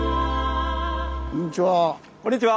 こんにちは。